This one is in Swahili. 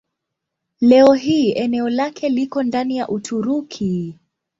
Leo hii eneo lake liko ndani ya Uturuki.